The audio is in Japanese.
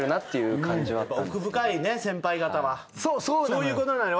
そういうことなのよ。